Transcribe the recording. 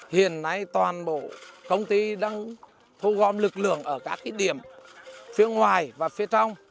hiện nay toàn bộ công ty đang thu gom lực lượng ở các điểm phía ngoài và phía trong